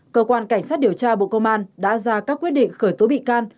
cơ quan cảnh sát điều tra bộ công an đã ra các quyết định khởi tố bị can